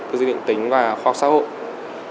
tư duy định tính và khoa học xã hội